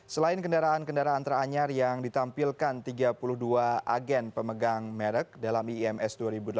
selain kendaraan kendaraan teranyar yang ditampilkan tiga puluh dua agen pemegang merek dalam iims dua ribu delapan belas